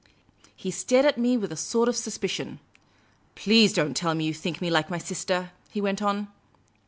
He stared at me with a sort of suspicion. " Please don't tell me that you think me like my sister," he went on.